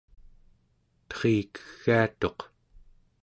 terikegiatuq